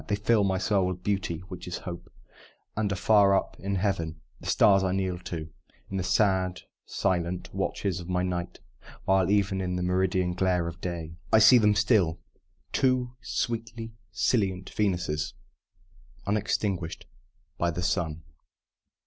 They fill, my soul with Beauty (which is Hope), And are far up in Heaven the stars I kneel to In the sad, silent watches of my night; While even in the meridian glare of day I see them still two sweetly scintillant Venuses, unextinguished by the sun!